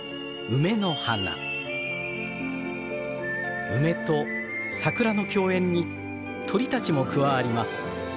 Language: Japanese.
梅と桜の共演に鳥たちも加わります。